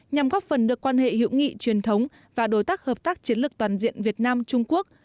nhằm góp phần đưa quan hệ hữu nghị truyền thống và đối tác hợp tác chiến lược toàn diện việt nam trung quốc